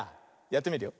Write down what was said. やってみるよ。